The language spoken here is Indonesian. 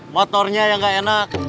motornya yang enggak enak